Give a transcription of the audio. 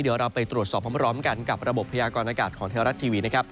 เดี๋ยวเราไปตรวจสอบพร้อมกันกับระบบพยากรณากาศของไทยรัฐทีวีนะครับ